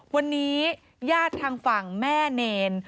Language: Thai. วันนี้ญาติทางฝั่งแม่เนร